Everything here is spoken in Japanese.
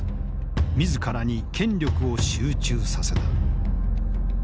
自らに権力を集中させた。